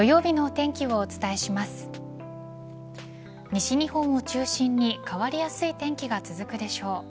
西日本を中心に変わりやすい天気が続くでしょう。